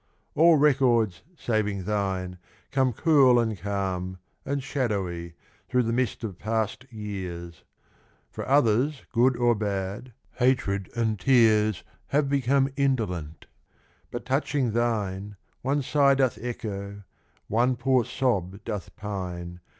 All records, saving thine, come cool, and calm, And shadowy, through the mist of passed years : For others, good or bad, hatred and tears Have become indolent; but touching thine, One sigh doth echo, one poor sob doth pine.